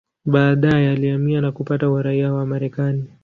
Baadaye alihamia na kupata uraia wa Marekani.